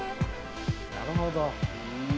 なるほど。